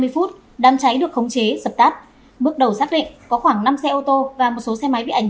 phút đám cháy được khống chế giật tắt bước đầu xác định có khoảng năm xe ô tô và một số xe máy bị ảnh